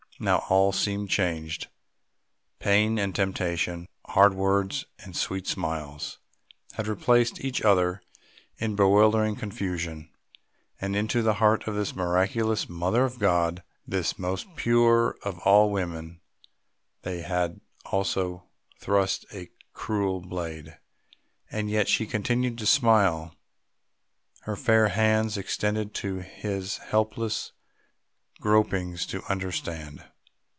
Now all seemed changed; pain and temptation, hard words and sweet smiles, had replaced each other in bewildering confusion, and into the heart of this miraculous Mother of God, this most pure of all women they had also thrust a cruel blade and yet she continued to smile, her fair hands extended to his helpless gropings to understand!